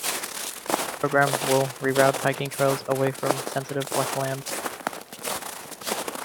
The program will reroute hiking trails away from sensitive wetlands.